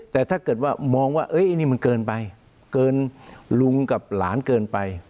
แต่ถ้าเกิดว่ามองว่านี่มันเกินไปเกินลุงกับหลานเกินไป